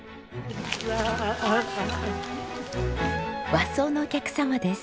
和装のお客様です。